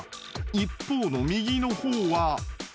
［一方の右の方は］